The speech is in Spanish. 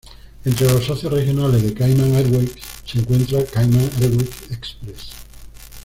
Entre los socios regionales de Cayman Airways se encuentran Cayman Airways Express.